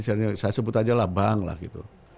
saya sebut aja lah bank lah gitu